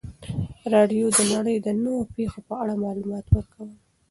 راډیو د نړۍ د نویو پیښو په اړه معلومات ورکول.